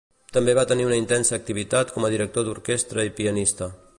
També va tenir una intensa activitat com a director d'orquestra i pianista.